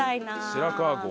白川郷。